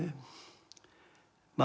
まあ